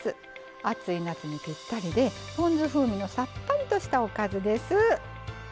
暑い夏にぴったりでポン酢風味のさっぱりとしたおかずです。